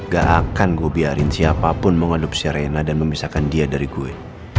gak akan gue biarin siapapun mengaduk sherena dan memisahkan dia dari gue